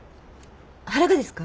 原がですか？